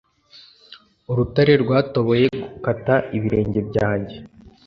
urutare rwatoboye gukata ibirenge byanjye